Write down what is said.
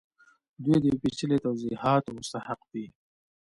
دوی د یو پیچلي توضیحاتو مستحق دي